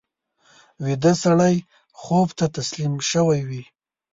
ویده سړی خوب ته تسلیم شوی وي